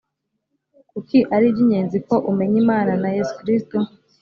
kuki ari iby ingenzi ko umenya imana na yesu kristo